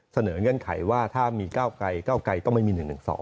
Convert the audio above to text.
เสนอเงื่อนไขว่าถ้ามีก้าวไกก็ไม่มี๑๑๒